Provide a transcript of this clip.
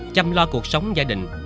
chăm lo cuộc sống gia đình